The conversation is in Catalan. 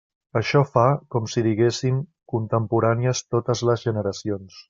Això fa, com si diguéssim, contemporànies totes les generacions.